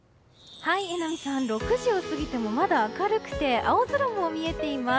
６時を過ぎてもまだ明るくて青空も見えています。